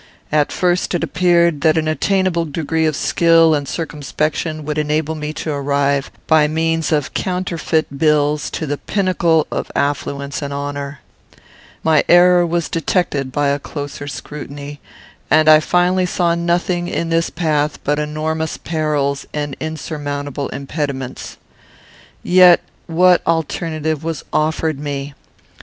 At first it appeared that an attainable degree of skill and circumspection would enable me to arrive, by means of counterfeit bills, to the pinnacle of affluence and honour. My error was detected by a closer scrutiny, and I finally saw nothing in this path but enormous perils and insurmountable impediments. "Yet what alternative was offered me?